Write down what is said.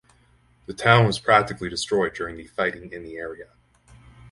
The town was practically destroyed during the fighting in the area.